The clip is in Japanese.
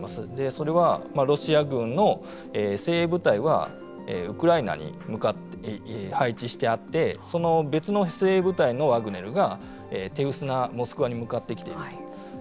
それは、ロシア軍の精鋭部隊はウクライナに配置してあってその別の精鋭部隊のワグネルが手薄なモスクワに向かってきている。